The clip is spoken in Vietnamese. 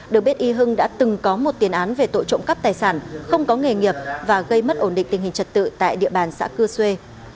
được biết y hưng đã từng có một tiền án về tội trộm cắp tài sản không có nghề nghiệp và gây mất ổn định tình hình trật tự tại địa bàn xã cư xuê